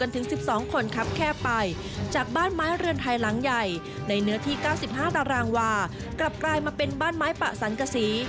ตารางวากลับกลายมาเป็นบ้านไม้ป่าสันกสี